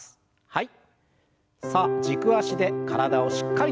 はい。